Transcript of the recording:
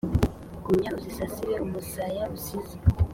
gumya uzisasire umusaya usize